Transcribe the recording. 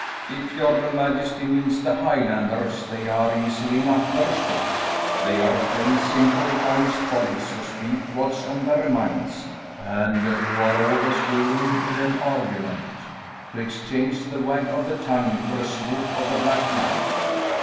"If your majesty means the Highlanders, they are easily enough understood. They are plain, simple, honest bodies who speak what's on their minds, and who are always willing, in an argument, to exchange the wag of the tongue for a swoop of the black knife."